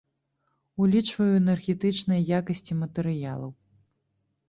Улічваю энергетычныя якасці матэрыялаў.